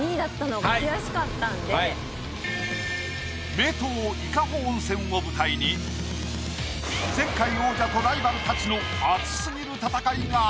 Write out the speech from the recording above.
名湯伊香保温泉を舞台に前回王者とライバルたちの熱過ぎる戦いが。